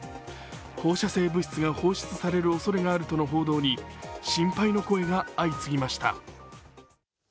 放射性物質が放出されるおそれがあるとの報道に心配の声が相次ぎました。